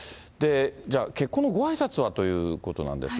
じゃあ、結婚のごあいさつはということなんですが。